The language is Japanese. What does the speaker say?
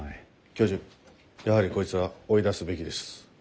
教授やはりこいつは追い出すべきです。